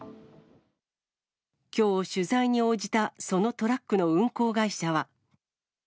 きょう、取材に応じたそのトラックの運行会社は。